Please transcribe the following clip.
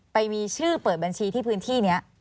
ไปมีชื่อเปิดบัญชีที่พื้นที่นี้